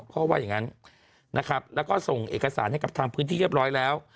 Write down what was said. เขาก็ว่าอย่างนั้นนะครับแล้วก็ส่งเอกสารให้กับทางพื้นที่เรียบร้อยแล้ว